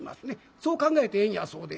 そう考えてええんやそうで。